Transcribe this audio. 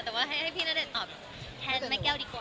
แต่ว่าให้พี่ณเดชนตอบแทนแม่แก้วดีกว่า